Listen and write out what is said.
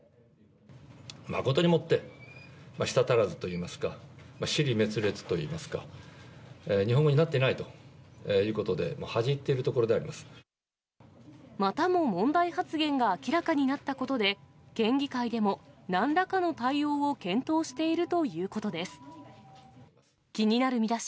誠にもって、舌足らずといいますか、支離滅裂といいますか、日本語になっていないということで、またも問題発言が明らかになったことで、県議会でも、なんらかの対応を検討しているということです。